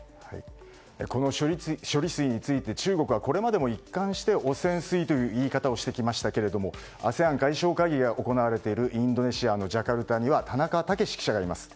この処理水について中国はこれまでも一貫して汚染水という言い方をしてきましたけれどもＡＳＥＡＮ外相会議が行われているインドネシアのジャカルタには田中剛記者がいます。